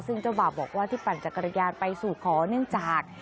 ซึ่งเจ้าบ่าวบอกว่าที่ปั่นจักรยานไปสู่ขอเนื่องจาก